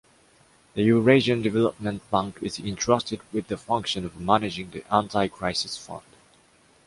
The Eurasian Development Bank is entrusted with the function of managing the Anti-Crisis Fund.